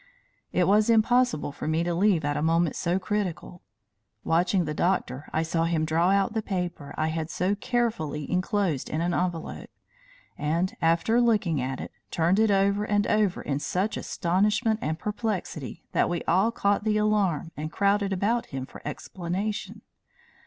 It was impossible for me to leave at a moment so critical. Watching the doctor, I saw him draw out the paper I had so carefully enclosed in an envelope, and after looking at it, turn it over and over in such astonishment and perplexity that we all caught the alarm and crowded about him for explanation.